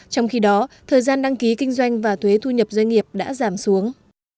trong khi đó thời gian đăng ký kinh doanh và thuế thu nhập doanh nghiệp đã giảm xuống